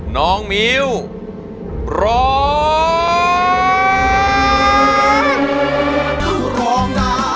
น้องมิ้วร้อง